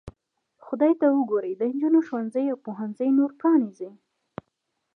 خدای ته وګورئ د نجونو ښوونځي او پوهنځي نور پرانیزئ.